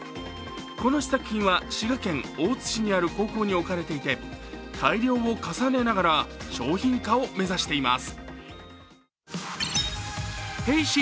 この試作品は滋賀県大津市にある高校に置かれていて、改良を重ねながら商品化を目指しています。